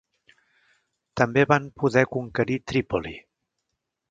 També van poder conquerir Trípoli.